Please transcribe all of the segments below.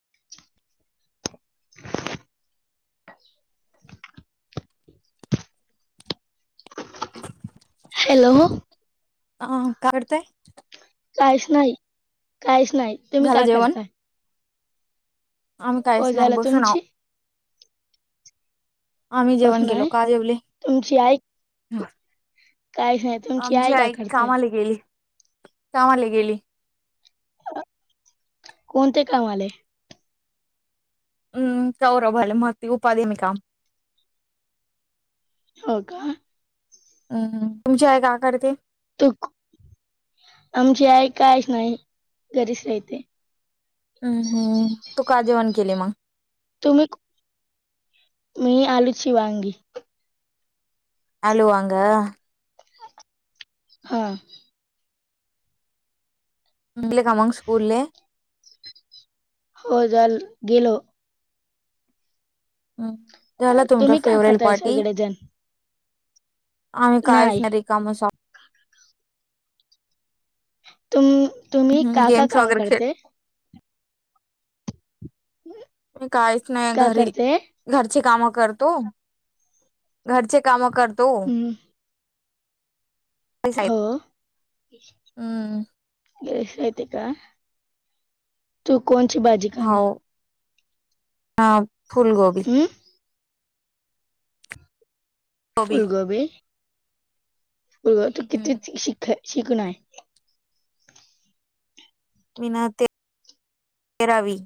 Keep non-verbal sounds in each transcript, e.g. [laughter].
[inaudible] Hello! हा काय करते. काहीच नाही काहीच नाही. तुम्ही झालं का जेवण करताय? आम्ही हो काहीच नाही झालं बसून आव. तुमची आम्ही जेवण बसून केेलो. आहे काय जेवले तुमची आई काहीच नाही तुमची आमची काय आई करताय कामाला गेली कामाला गेली. कोणते कामाले? हम्म कौरवभले माती उपाधी काम. हो का. हम्म तुमची आई काय करती? तू, आमची आई काहीच नाही घरीच राहते. हम्म हम्म. तू काय जेवाण केले मग? तुम्ही को मी आलूची वांगी. आलू वांगा. हा. संपले का मंग स्कुल हो जाल गेलो. हम्म झाला अ, तुमच्या तुम्ही का फेवरेल करताय पार्टी? सगळेजण आम्ही काहीच नाही रिकामच आलो. तुम् तुम्ही का का गेम्स काम वगैरे खेळ करते? मी काहीच नाही का घरी. करते घरचे काम करतो, घरचे काम करतो. हम्म, हो. हम्म ग येते का तू कोणची भाजी? हो खाली हा फुलगोभी. हम्म. हॉबी फूलगोभी. गं तू किती हम्म. शिक शिकण आहे? मी ना ते तेरावी.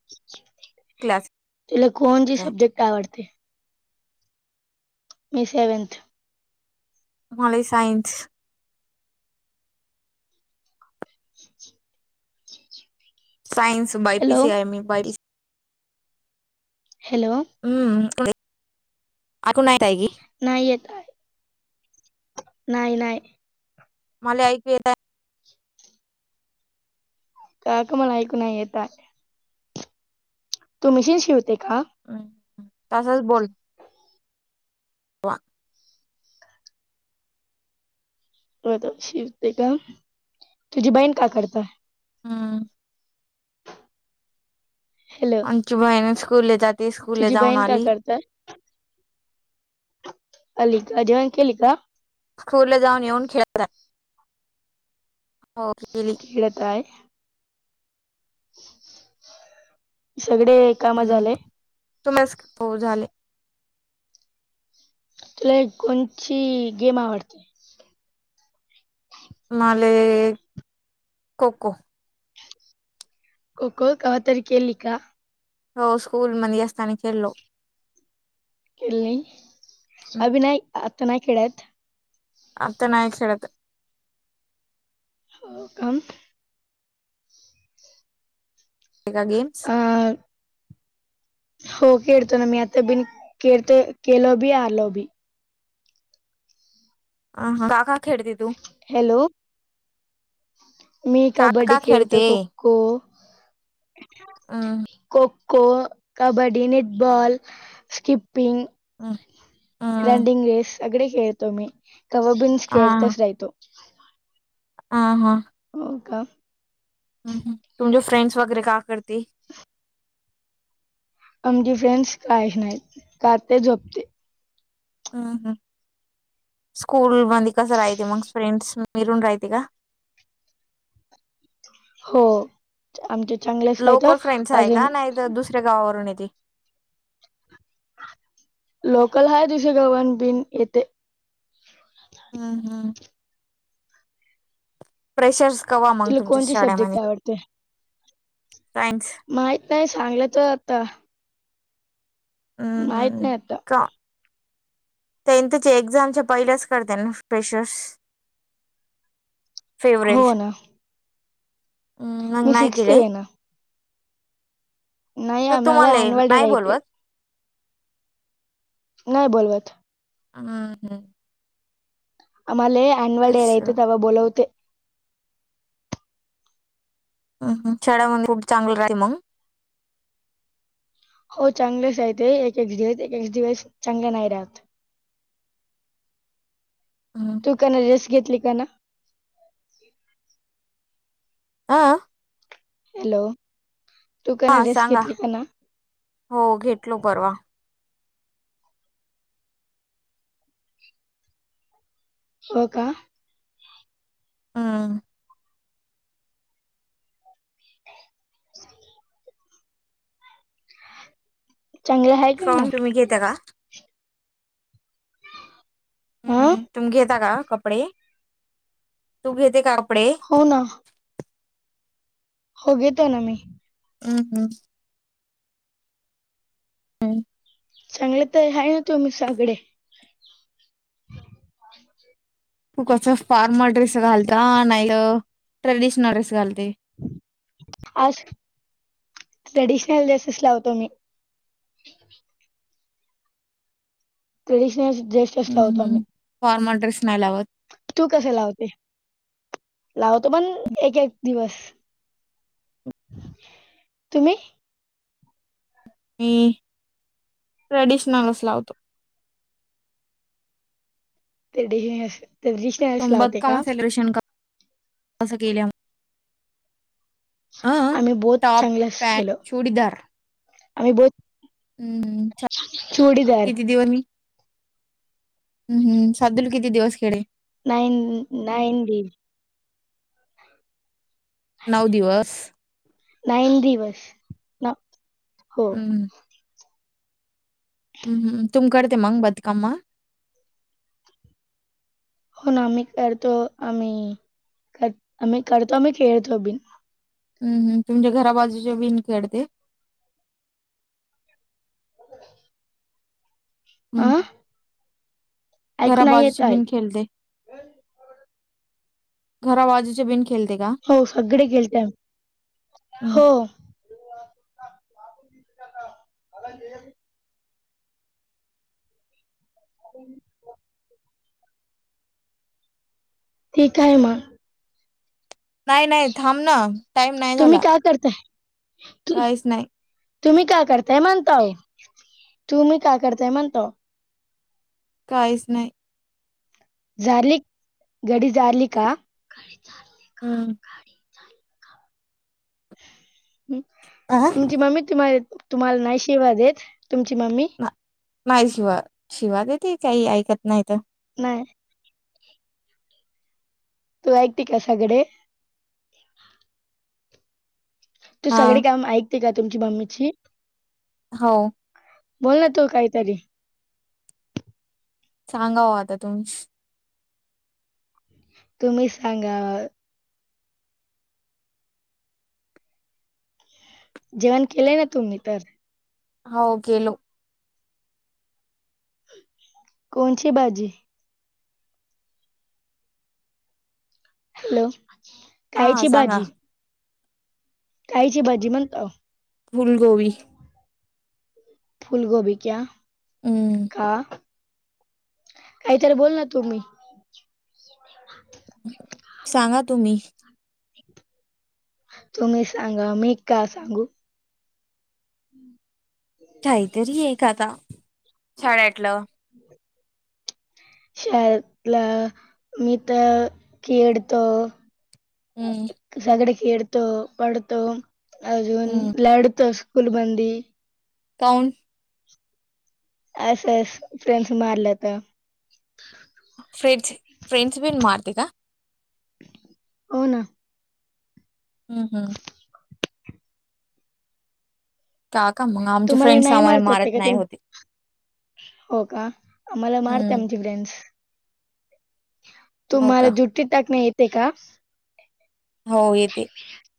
हम्म. क्लास तुला कोणते आहे सब्जेक्ट आवडते? मी सेवेन्थ. मला science. Science. Science hello BiPC आय मी बा. हॅलो! हम्म ऐकू नाही का आहे की. नाही येत नाही नाही. मला ऐकू येतय. काकु मला ऐकून नाही येत. तू मशीन शिवते का? हम्म तसच बोल. वा. शिवते का? तुझी बहीण काय करत आहे? हम्म. हॅलो. आमची बहीण स्कूल ला जाते. स्कूलला तुझी जाऊन बहीण का आली करतल अली का जेवण केली का? स्कूल ला जाऊन येऊन खेळतात. हो केली. खेळतात आहे. सगळे कामं हम्म झाले तिलास हो झाले तुला कोणची गेम आवडते? माले खो खो खो खो कवा तरी खेली का? हो स्कूल मध्ये असता ना खेलो. खेली, अभी नाही आता नाही खेळत. आता नाय खेळत. हो का. का गेम्स. ह हो खेळतो ना मी आता बीन केळतो केलो बी आलो बी. का का खेळती तू? हॅलो मी कबड्डी काका खेळतो, खेळते खो खो. हम्म खो खो, कब्बडी, निटबॉल स्कीिप. हम्म रेडिंग रेस सगडे खेळतो, कवबिंग्स आ खेळतो. खेळतो. हा हा हो का हम तुमचे फ्रेंड्स वगैरे का करती? आमची फ्रेंड्स काही नाहीत खाते झोपते. हम् हम् स्कूल मध्ये कस राहते मग फ्रेंडस मध्ये रायते का? हो आमचे चांगलेच आहेत लोकल फ्रेंड्स आहे अजून. का नाही दुसऱ्या गावावरून येते. लोकल हाय दुसरे गावानं बिन येथे. हम्म हम्म प्रेशर्स कवा मग तुमच्या शाडेमध्ये. ते सायन्स माहीत नाही सांगल्यात आता. माहित हम्म नाही आता का टेन्थ च्या एक्झामच्या पहिल्याच करते ना फेशर्स. हो ना मग मी नाय सिक्स्थ केले. आहे ना नाही तर आम्हाला तुम्हाला एन्युअल डे नाही राहिटले. बोलवत नाही बोलवत हम्म हं आम्हाले अन्युअलडे असं रेयतो तवा बोलवते. हम्म हम चेहरावरन खूप चांगलं राहते मग. हो चांगलंच आहे ते एक एक दिवस, एक एक दिवस चांगल नाही राहत. तू का ना ड्रेस घेतली का ना? हा हॅलो! तू काना हा ड्रेस सांगा घेतली का ना? हो घेतलो परवा. हो का? हम्म [inaudible] च्यांगलं हाय? काऊन तुम्ही घेत का? हा हम्म तुम्ही घेता का कपडे तू घेते का कपडे? हो ना. हो घेते ना मी. हम्म हम्म हम्म च्यांगले तर आहे ना तुम्ही सगळे? तू कसं फॉर्मल ड्रेस घालता नाही ट्रेडिशनल ड्रेस घालते? असं ट्रेडिशनल ड्रेसेस लावतो आम्ही. ट्रेडिशनल ड्रेसेस हम्म लावतो हम्म. आम्ही. फॉर्मल ड्रेस नाही लावत? तू कसं लावते? लावतो पण एक एक दिवस. तुम्ही? मी ट्रेडिशनलच लावतो. [inaudible] तुम का कम सेलिब्रेशन [inaudible] कसं केल्या. अ आम्ही बोथ टॉप, चांगलाच पॅन्ट, केल चुडीदार. आम्ही बोथ हम्म. सा- चुडीदार [inaudible] हम्म हम्म शादीला किती दिवस खेळे? Nine nine day. नऊ दिवस नाईन दिवस. हो हम्म हम्म हम्म तुम करते मग बांधकाम मग? हो ना आम्ही करतो आम्ही, कर आम्ही करतो आम्ही खेळतो बिन. हम्म हम तुमच्या घराबाजूचे बिन खेळते? आ हम्म ऐकू घरा नाही येत बाजूचे आहे बीन खेलते? घरा बाजुचे बिन खेळते का हो सगळे खेलते आम्ही, हम्म. हो [inaudible] [inaudible] ठीक आहे मग. नाही नाही थांब ना टाईम नाही झाला. हा करतय. [inaudible] काहीच नाही. तुम्ही काय करताय म्हणताव तुम्ही काय करताय म्हणताव काहीच नाही. झाली घडी झाली का. हम अ तुमची मम्मी तुम्हाला तुम्हाला नाही शिवादेत तुमची मम्मी. नाही शिवा. शिवा देते काही ऐकत नाही तर. नाय तू ऐकते का सगळे तू हा सगळी काम ऐकते का तुमची मम्मीची हो बोल ना तू काहीतरी सांगा ओ आता तुम्हीच तुम्हीच सांगा जेवण केलंय ना तुम्ही तर हाव केलो. कोणची भाजी? हॅलो आ कायची सांगा काहीची भाजी म्हणताव फुलगोबी फूलगोभी क्या हम्म. का काहीतर बोल ना तुम्ही सांगा तुम्ही तुम्ही सांगा मी का सांगू हम काहीतरी हे का आता. छान वाटलं [unintelligible] शाळेतलं मी त खळतो हम सगळे खेळतो, पडतो अजून हम्म लढतो. स्कूलमंदी काऊन असच फ्रेंड्स मारल्या त फ्रेंज फ्रेंड्स पिन मारते. का हो ना हम हम हा का म आमचे तुम्हाला फ्रेंड्स नाही आम्हाला मारत का नाही तुम होते. हो का आम्हाला मारते. हम्म. आमची फ्रेंड्स हो तुम्हाला का जुटी टाकण येते का हाव हाव येते. [unintelligible]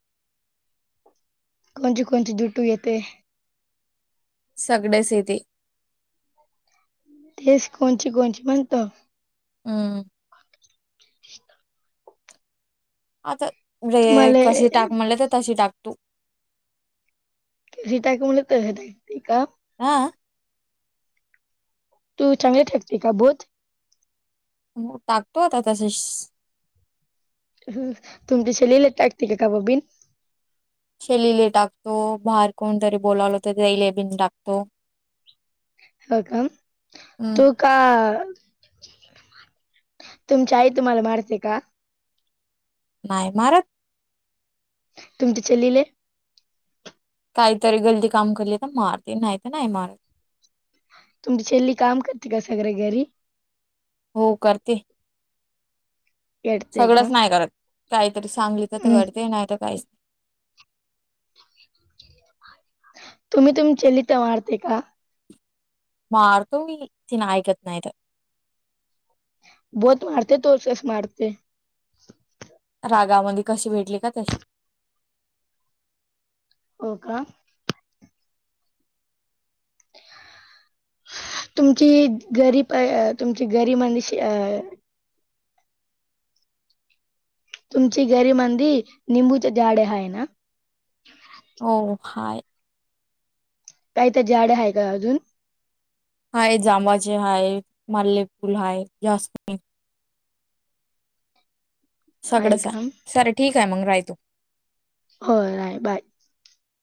कोणची कोणची जुटू येते. सगळच येते. तेच कोणची कोणची म्हणतो? हम् आता वेळ तुम्हाला कशी टाक म्हणले, तशी टाक तू जे टाक म्हणले, तसे टाकते का हा तू चांगली टाकते. का बोध हो, टाकतो. आता तसेस हू, तुम्ही शिलेले टाकते. का का बीन शेलिले टाकतो. बाहेर कोण तरी बोलावल तर ते, गाई बिन टाकतो. हो, का हं. तो ता तुमची आई तुम्हाला मारते का? नाही. मारत तुमची चालेले. [unintelligible] काहीतरी गलती काम केली तर मारते नाही. तर नाही मारत. तुमची चेल्ली काम करते का सगळ्या घरी. हो करते. येडते का सगळंच नाय करत काहीतरी सांगितल तर हम्म. करते नाही तर काहीच तुम्ही तुमच्या लीत मारते का? मारतो मी तीन ऐकत नाय तर. बहोत मारते थोरसच मारते. रागामध्ये कशी भेटली का तशी. हो का. तुमची घरी पय तुमची गरी माणश अ तुमची घरी म्हंदी निंबूचे झाड आहे ना. हो हाय. काही तर झाडं आहे का अजून. आहेत जांभळाचे हाय मल्ले फुल हाय जास्मिन. सगडच आहे सारे ठीक आहे मंग रहाय तू. हो राय बाय.